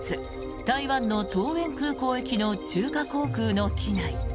台湾の桃園空港行きの中華航空の機内。